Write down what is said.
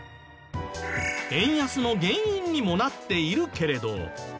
円安の原因にもなっているけれど。